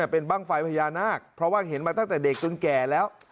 เป็นบ้างไฟพญานาคเพราะว่าเห็นมาตั้งแต่เด็กจนแก่แล้ว